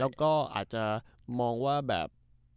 แล้วก็อาจจะมองว่าแบบ